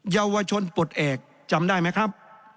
เยาวชนปลดเอกจำได้ไหมครับ